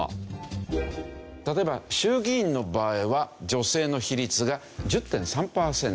例えば衆議院の場合は女性の比率が１０．３パーセント。